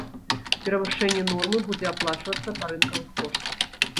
Перавышэнне нормы будзе аплачвацца па рынкавых коштах.